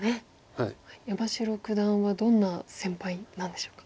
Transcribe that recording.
山城九段はどんな先輩なんでしょうか？